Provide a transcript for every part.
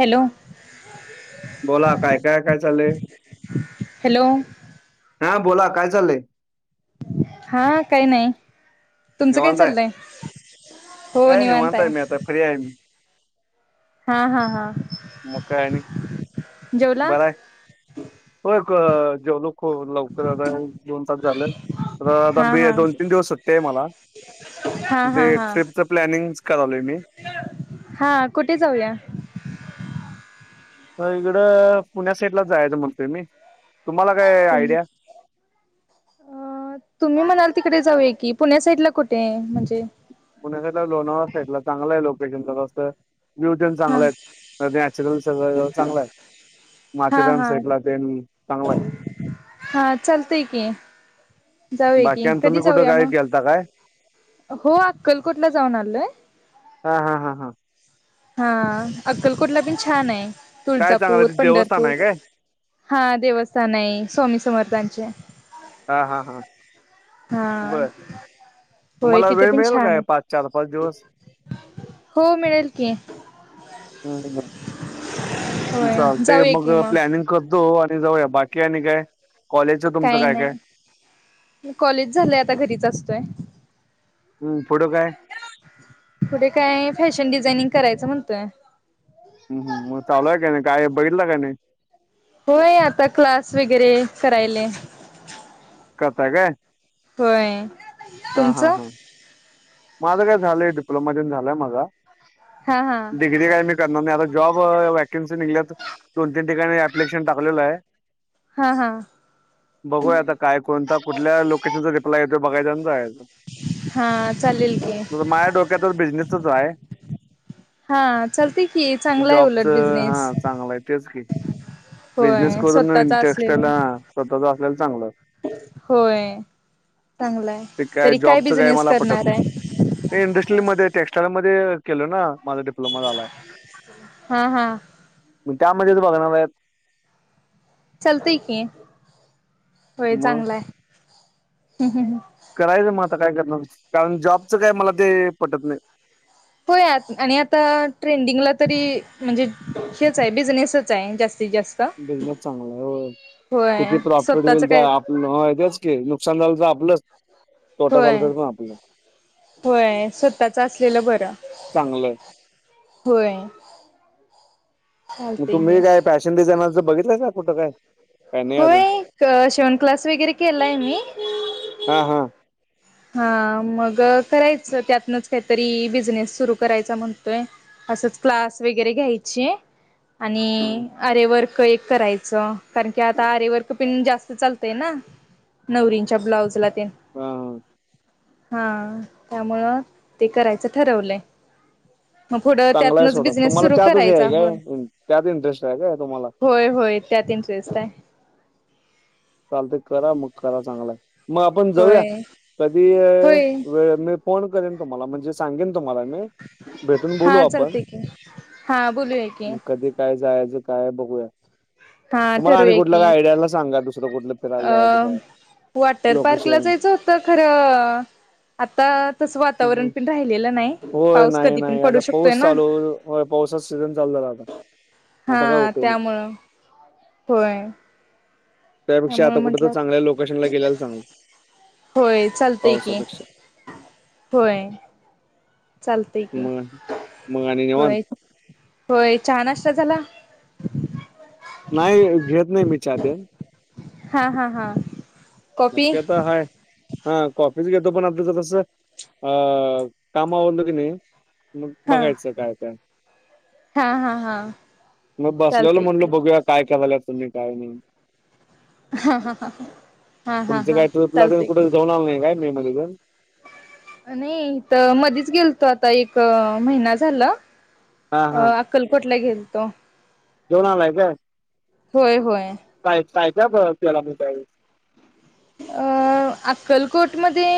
Hello. बोला काय काय काय चालय हॅलो हा बोला काय चालंय. हा काही नाही तुमचं काय निवांत आहे चाललंय. काय निवांत आहे मी आता फ्री आहे मी. हा हा हा. मग काय आणि जेवला बर आहे हो एक जेवलो. हो लवकर आता दोन तास झालं तर आता हा बी हा दोन तीन दिवस होटते आहे मला. हा हा ते हा. ट्रिपचं प्लॅनिंग करावलंय मी. हा कुठे जाऊया. इकडं पुण्या साईडला जायचं म्हणतोय मी तुम्हाला काय आयडिया. अ तुम्ही म्हणाल तिकडे जाऊय की पुण्या साईड ला कुठे म्हणजे पुण्या साईडला लोणावा साईडला चांगला आहे लोकेशनचा तसत. ब्युटीन हा चांगलं आहेत नॅचरल सगळ चांगलं आहे‌. हा माथेरान हा साईटला तेन चांगला ये. हा चालतंय की. जाऊया बाकी की आणि कधी तुम्ही कुठं जाऊया काय गेलता काय मग हो अक्कलकोटला जाऊन आलोय. हा हा हा हा. हा अक्कलकोटला बि छान ये काय चांगलं तुळजापूर ते देवस्थान आहे पंढरपूर काय हा देवस्थान आहे स्वामी समर्थांचे हा हा हा हा बरं होय तुम्हाला तिथे वेळ पण मिळेल छान काय आहे. पाच चार पाच दिवस हो मिळेल की हम्म होय चालतंय जाऊया मग की प्लॅनिंग करतो आणि जाऊया बाकी आणि काय कॉलेजच तुमचं काही काय काय नाही कॉलेज झालंय आता घरीच असतोय हम्म पुढं काय पुढे काय फॅशन डिझाइनिंग करायचं म्हणतोय हम हम मग चालूय काय नाही काय बघितला का नाही होय आता क्लास वगैरे करायले करताय काय होय हा हा तुमचं हा माझं काय झालंय डिप्लोमा तेन झालंय माझा हा हा डिग्री काय मी आता जॉब वॅकन्सी निघल्यात दोन तीन ठिकाणी अऍप्लिकेशन टाकलेलं आहे हा हा बघूया आता काय कोणता कुठल्या लोकेशनचा रिप्लाय येतो बघायचा आणि जायाचं हा चालेल की माह्या डोक्यातच बिझनेसच आहे हा चालते की चांगला आहे उलट जॉबच बिझनेस हा चांगलं आहे तेच कि बिजनेस होय करून स्वतःचा टेक्स्टाईल असलेला हा स्वतःचा असल्याला चांगलं ये होय चांगला आहे. ते काय तरी जॉबच काय बिझनेस मला पटत करणार नाई आहे ते इंडस्ट्रील मध्ये टेक्स्टाईल मध्ये केल ना माझं डिप्लो झालाय हा हा म त्यामध्येच बघणार आहेत चालतय की होय मग चांगलाय हम् ह् ह् करायचं मग आता काय करणार कारण जॉबचं काय मला ते पटत नाही होय आणि आता ट्रेंडिंगला तरी म्हणजे हेच आहे बिझनेसच आहे जास्तीत जास्त बिझनेस चांगला आहे हो होय किती प्रॉफिट स्वतःच होईल ते काय आप ह तेच की नुकसान झालं तर आपलंच तोटा होय झाला तर पण आपलं होय स्वतःच असलेलं बरं चांगलं आहे होय म चालतंय की तुम्ही काय फॅशन डिझाइनरच बघितल का कुठं काय काय नाही अजून होय शिवण क्लास वगैरे केलाय मी हा हा हा मग करायचं त्यातनच काहीतरी बिझनेस सुरू करायचा म्हणतोय असच क्लास वगैरे घ्यायचे हम्म आणि अरे वर्क एक करायचं कारण की आता आरेवर्क पिण जास्त चालतय ना नवरींच्या ब्लाऊजला ते हा हा त्यामुळं ते करायचं ठरवलंय मग पुढं चांगला आहे त्यातनच सोडा बिझनेस तुम्हाला सुरू त्यातच हे करायचा काय होय त्यात इंटरेस्ट आहे काय तुम्हाला होय होय त्यात इंटरेस्ट आहे चालतंय करा मग करा चांगलाय मग आपण जाऊया होय कधी होय वेळ मी फोन करेन तुम्हाला म्हणजे सांगेन तुम्हाला मी भेटून बोलू हा आपण चालते की हा बोलूया की मग कधी काय जायचं काय बघूया हा तुम्हाला आणि ठरूया कुठल्या की काय आयडियाला सांगा दुसरं कुठलं फिरायला अ जायचं काय वॉटर पार्कला लोकेशन जायचं होतं खरं आता तस वातावरण पण राहिलेलं नाही होय पाऊस नाही कधी पण नाही आता पडू शकतोय पाऊस ना चालू होय पावसाचा सीझन चाल झाला आता आता काय उपयग नाही हो होय त्यापेक्षा त्यामुळे आता कुठं तर म्हंटलं चांगल्या लोकेशनला गेल्याला चांगलं होय चालतय की पावसापेक्षा होय चालतय की मग मग आणि निवांत होय. होय चहा, नाष्टा झाला. नाही घेत नाही मी च्या तेन. हा हा हा! कॉफी शक्यता हाय. हा कॉफीच घेतो, पण आताच तसं अ काम आवडलं की नाही. मग हा बघायचं काय त्या. हा हा हा मग बसल्याला चालतय म्हणल की बघूया. काय, केवाल्या तुम्ही काय नही. हा हा हा ह! तुमच काय ट्रिपला, तुमी कुठ जाऊन आले नाही काय मे मध्ये पण. नाही त मधीच गेलतो आता, एक महिना झाला. हा अ हा अक्कलकोटला गेल तो. जाऊन आलाय का? होय, होय! काय, काय त्याला मी का [unintelligible] अ अक्कलकोटमध्ये.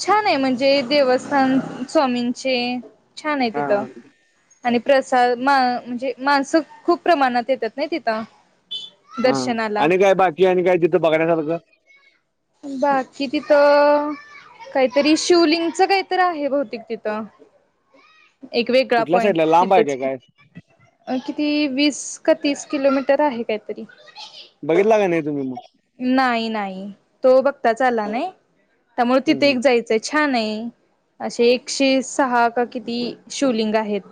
छान आहे म्हणजे देवस्थान, स्वामींचे छान आहे हा तिथं. हा आणि प्रसाद मा म्हणजे, माणसं खूप प्रमाणात येतात ना तिथं. हा दर्शनाला आणि काय बाकी, आणि काय तिथं बघण्यासारखं. बाकी तिथं. काहीतरी शिवलिंगच काहीतरी, आहे भौतिक तिथं. [inaudible] एक वेगळा कुठल्या पॉईंट साईडला लांब आहे तिथंच. का काय? अ किती वीस, का तीस, किलोमीटर आहे काहीतरी. बघितला, का नाही तुम्ही म. नाही, नाही तो बघताच आला नाही. त्यामुळे हं तिथे हं. एक जायचंय. छान आहे, असे एकशे सहा, का किती शिवलिंग आहेत.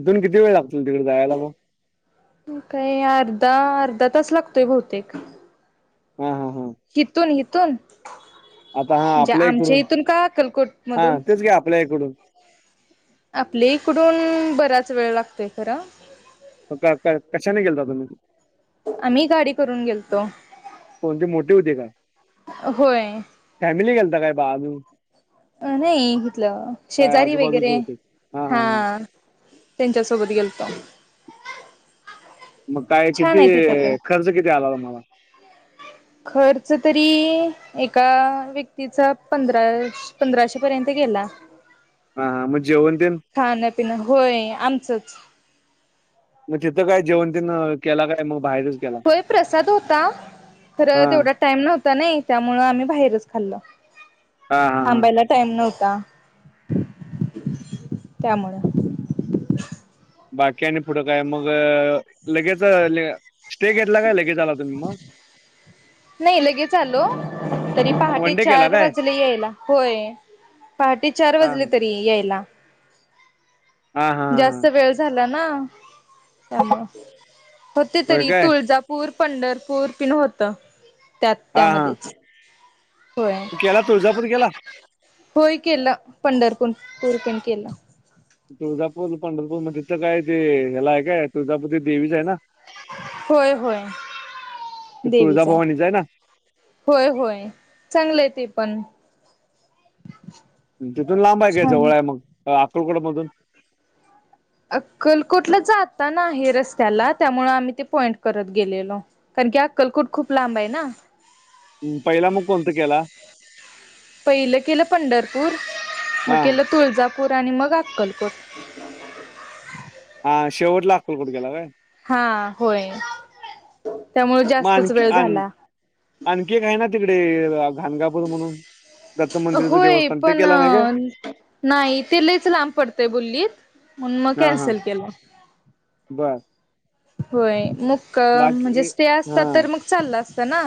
इथून किती वेळ लागतो तिकड जायला म. काही अर्धा, अर्धा तास लागतोय बहुतेक. हा हा हा! कीथून, हिथून आता हा म्हणजे आपल्या आमच्या इकडून इथून का आक्कलकोट हा मधून तेच की आपल्या ईकडून आपली इकडून बराच वेळ लागतोय खरा. मग कार, काय कशाने गेलता तुम्ही? आम्ही गाडी करून गेलतो. कोणती मोठी होती का होय फॅमिली गेलता काय बा [unintelligible] अ नाही इथलं शेजारी, वगैरे हा. त्यांच्यासोबत गेलतो. मग काय किती, छान आहे तिथं पण खर्च किती आला तुमाला? खर्च तरी एका व्यक्तीचा पंधरा पंधराशे पर्यंत गेला. हा मग जेवण तेंन. खान पिण होय आमचंच म तिथं काय जेवणतेनं केला काय मग बाहेरच. केला होय प्रसाद होता खरं हा तेवढात टाईम नव्हता नाही त्यामुळ आम्ही बाहेरच खाल्ल हा हा हा थांबायला टईम नव्हता त्यामुळं. बाकी आन पुढं काय मग. लगेच ले स्टे घेतला काय लगेच आला तुम्ही म नाही लगेच आलो तरी पहाटे वन डे केला चार काय वाजले यायला होय. पहाटे चार हा वाजले तरी यायला. हा हा. हा हा. जास्त वेळ झाला ना त्यामुळे होते होय तरी काय तुळजा पूर पंढरपूर पिण होत त्यात त्यामध्येच होय मी केला तळापुर केला. होय केलं पंढरपूर पूर तेण केलं. तुळजापूर पंढरपूर मध्ये तर काय ते ह्यालाय काय तुळजापूर ते देवीच आहे ना. होय होय ते देवीच हाय. तुळजाभवानीच आहे ना होय होय चांगलं ते पण म तिथून लांब आहे छान जवळ आहे मग अ अकुलकोड मधून अक्कलकोटला जाता ना आहे रस्त्याला त्यामु आम्ही ते पॉइंट करत गेलेलो. कारण की हा आकलकोट खूप लांब आहे ना. हुं पहिला मग कोणत केला. पहिलं केलं पंढरपूर मग हा केलं तुळजापूर आणि मग अक्कलकोट हा शेवटला आककलकोट केला व्हय. हा होय. त्यामुळे मग जास्तच आणखी वेळ आण झाला आणखी एक आहे ना तिकडे घानगापूर म्हणून दत्त मंदिरचं होय देवस्थान ते पण केलं नाही काय नाही ते लईच लांब पडतंय बोलल्लीत. म्हणुन मग हा हा कॅन्सल केला. बर. होय मग मुक्कम म्हणजे बाकी स्टे हा असतात तर मग चालला असत ना.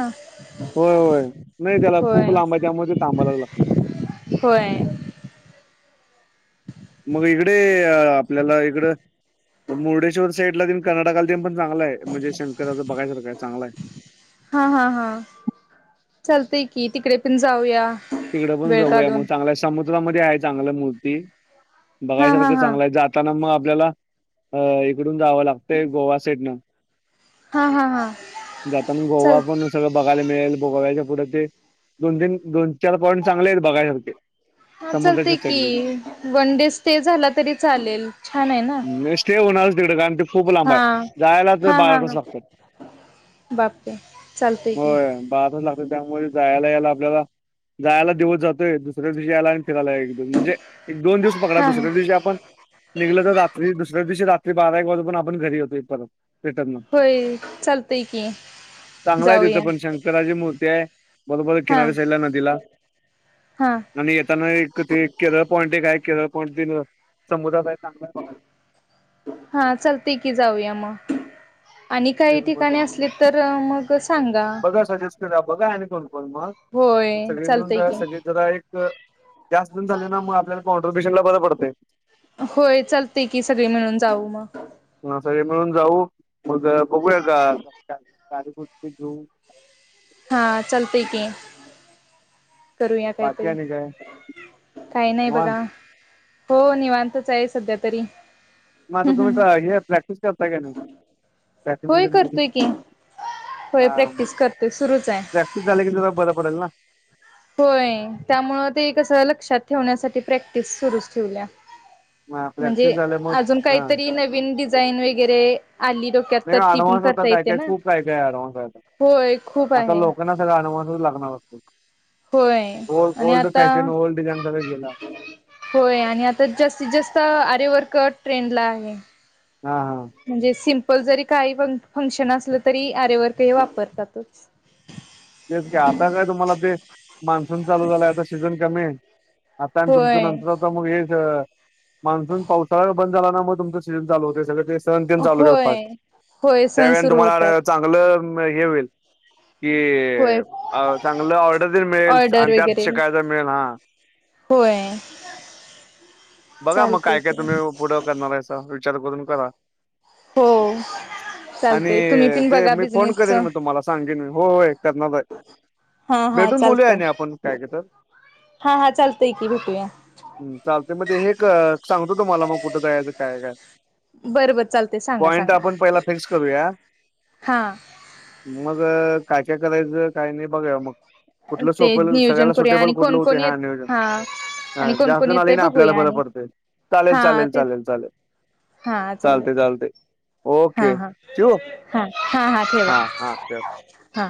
होय होय नाही त्याला खूप होय लांब आहे त्यामुऴे थांबा लागला. होय. मग इकडे आपल्याला इकड मुर्डेश्वर साईड ला करर्नाका म पण चगलाय म्हणजे शंकराचं बघायसार काय चांगलाय. हा हा हा चालतंय की तिकडे पण जाऊया. तिकडे पण वेळ जाऊया काढून मग चांगल समुद्रामध्ये आहे चांगल्या मूर्ती हा हा बघायसारखं हा चांगल आहे जात. त्याना मग आपल्याला अ इकडून जावं लागतंय गोवा साईडन हा हा हा जता ना गोवा चाल पण आसतो. सगळं बघायला मिळेल बोायच्या पुराचे दोन तीन दोन चार पॉईंट चांगले आहेत बघायसारखे हा चालते समुद्राच्या की साईडचे. वन डे स्टे झाला तरी चालेल छान आहे ना. स्टे होणारच तिकडं कारण ते खूप लांब आहे हा जायलाच बारा लागत. बाप चालतंय कि होय, तास लागतात. त्यामुळे जायला यायला आपल्याला जायला दिवत जातोय दुसऱ्या दिवशी यायला. फीराय ला एक दोन म्हणजे एक दोन दिवस बघणार हा हा दुसऱ्या दिवशी आपण निघलं तर रात्री दुसऱ्या दिवशी रात्री बारा एक वाजून पण आपण घरी येतो इ परत. रिटर्नला. होय चालतय की चांगला आहे तिथं जाऊया. पण शंकराची मूर्ती आहे बरोबर हा किनऱ्या साईडला नदीला हा आणि येताना एक ते केरळ पॉईंट एक आहे केरळ पॉंट समुद्रात सांगघ. हा चालते य की जाऊया मग आणि काही केरळमध्ये ठिकाणी जाऊन असली तर मग सांगा. बघा सजेस्ट करा बघा आणि कोण कोण मग होय चालतय की तर जास् पण झाले ना मग आपल्याला कॉन्ट्रीब्युशन ला बरं पडते. होय चालतंय की सगळी मिळून जाऊ मग ह सगळे मिळून जाऊ मग बघूया का कार्यकुस्ती घेऊ. हां चालतंय की करूया बाकी काहीतरी आणि काय काही नाही निवांत बघा. हो निवांतच आहे सध्या तरी मग आता तुम्ही हे प्रॅक्टिस करता का होय प्रॅक्टिस करतोय की होय प्रॅक्टिस करतोय सुरूच आहे झाले कि जरा बरं पडेल ना होय त्यामु ते कस लक्षात ठेवण्यासाठी प्रॅक्टिस सुरूच ठेवल्या हा म्हणजे प्रॅक्टिस झाल्यामुळे अजून हा काहीतरी नवीन डिझाईन वगैरे आली नाही त्यातर ती पण ॲडव्हान्स आता करता काय येत्या काय ना खूप काय काय होय खूप आहे लागणारग होय ओ आणि ओल्ड आता फॅशन ओल्ड डिझाईन क गेला होय आणि आता जास्तीत जास्त आरेवर कट ट्रेंडला आहे हा हा म्हणजे सिम्पल जरी काही फंक्शन असलं तरी आरेवर काही वापरतातच तेच की आता काय तुम्हाला ते मान्सून चालू झालाय आता सीझन कमी आहे तुमच होय नंतर आता मग हे मान्सून पावसाळा बंद झाला ना मग तुमचं सीजन चाल होते सग ते सण तीन चालू पुण्यात होय फास्ट होय सण त्यावेळे सुरू होतात तुम्हाला चांगलं हे होईल की होय चांगलं ऑर्डर तेन मिळेल ऑर्डर आणि त्यात वगैरे शिकायचा मिळेल हा होय बघा मग चालते काय काय की तुम्ही पुढं करणारयचा विचार करून करा हो आणि चालतय तुम्ही पण ते बघा मी फोन बिझनेसच करेन मी तुम्हाला सांगेन मी हो हो करना हा हा चालतय काय काय तर हा हा चालतंय की भेटूया ह् चालते मग ते हे क सांगतो तुम्हाला मग कुठं जायचं काय काय बरं बर चालतय सांगा पॉइंट सांगा आपण पहिला फिक्स करूया हा मग काय काय करायचं काही नाही बघुया मग कुठलं ते सोपल नियोजन सगळ्याला करूया सुटेबल आणि कुठलं कोण होते कोण येत हायोजन हा आणि कोण कोण जास्तजन आलं येतय किनाय आपल्याला बघूया बर आणि पडते चालेल हा चालेल तेच चालेल चालेल हा चालेल चालते चालते हा ओके हा ठिउ हा हा ठेवा हा हा च हा